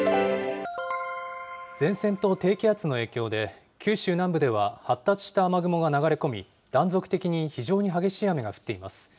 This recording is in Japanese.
前線と低気圧の影響で、九州南部では発達した雨雲が流れ込み、断続的に非常に激しい雨が降っています。